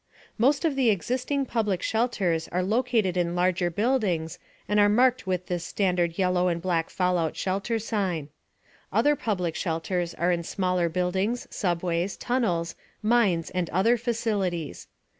Most of the existing public shelters are located in larger buildings and are marked with this standard yellow and black fallout shelter sign. Other public shelters are in smaller buildings, subways, tunnels, mines and other facilities.